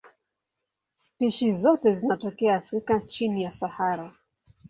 Spishi zote zinatokea Afrika chini ya Sahara.